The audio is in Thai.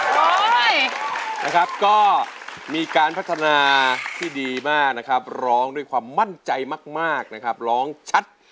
แล้วก็มีการพัฒนาที่ดีมากร้องด้วยความมั่นใจมากร้องชัด